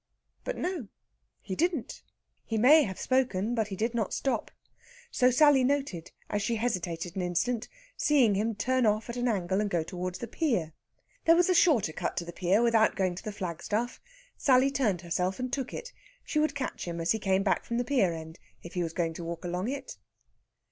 But no he didn't. He may have spoken, but he did not stop. So Sally noted as she hesitated an instant, seeing him turn off at an angle and go towards the pier. There was a shorter cut to the pier, without going to the flagstaff. Sally turned herself, and took it. She would catch him as he came back from the pier end, if he was going to walk along it.